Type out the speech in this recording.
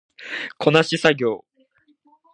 こなし作業